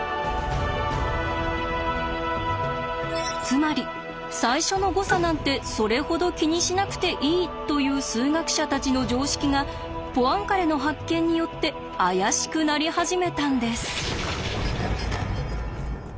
つまり最初の誤差なんてそれほど気にしなくていいという数学者たちの常識がポアンカレの発見によって怪しくなり始めたんです。